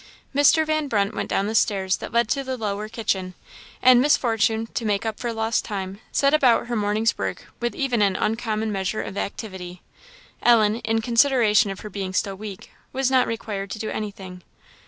Mr. Van Brunt went down the stairs that led to the lower kitchen; and Miss Fortune, to make up for lost time, set about her morning's work with even an uncommon measure of activity. Ellen, in consideration of her being still weak, was not required to do anything.